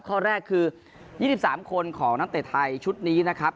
ข้อแรกคือ๒๓คนของนักเตะไทยชุดนี้นะครับ